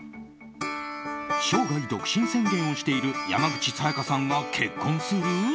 生涯独身宣言をしている山口紗弥加さんが結婚する？